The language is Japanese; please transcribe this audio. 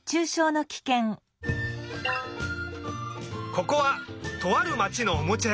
ここはとあるまちのおもちゃやさん。